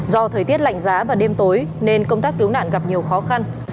do thời tiết lạnh giá và đêm tối nên công tác cứu nạn gặp nhiều khó khăn